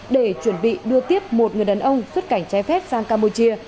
để chuẩn bị đưa tiếp một người đàn ông xuất cảnh trái phép sang campuchia